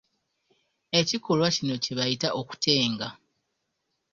Ekikolwa kino kye bayita okutenga.